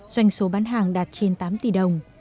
doanh số bán hàng đạt trên tám tỷ đồng